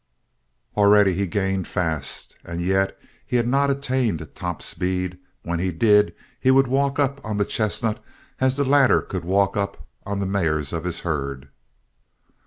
Already he gained fast, and yet he had not attained top speed; when he did, he would walk up on the chestnut as the latter could walk up on the mares of his herd.